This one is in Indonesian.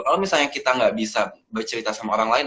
kalau misalnya kita nggak bisa bercerita sama orang lain